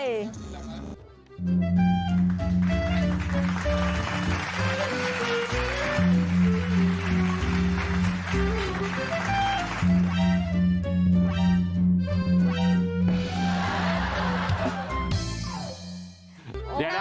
ให้จับมา